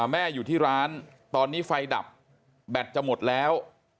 อยู่ที่ร้านตอนนี้ไฟดับแบตจะหมดแล้ว